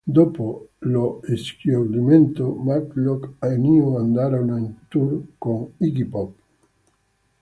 Dopo lo scioglimento, Matlock e New andarono in tour con Iggy Pop.